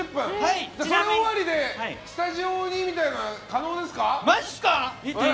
それ終わりでスタジオにみたいなのはマジすか？